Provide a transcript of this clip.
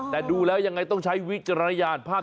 แต่ดูแล้วยังไงต้องใช้วิจารณญาณภาพ